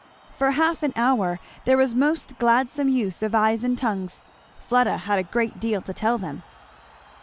For half an hour there was most gladsome use of eyes and tongues. Fleda had a great deal to tell them.